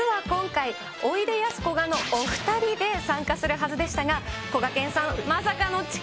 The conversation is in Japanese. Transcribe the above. ６時に起きたら、そりゃこん実は今回、おいでやすこがのお２人で参加するはずでしたが、こがけんさん、まさかの遅刻。